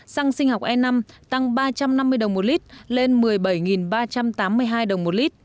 xăng sinh học e năm tăng ba trăm năm mươi đồng một lít lên một mươi bảy ba trăm tám mươi hai đồng một lít